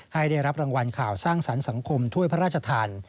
ได้รับรางวัลข่าวสร้างสรรค์สังคมถ้วยพระราชทาน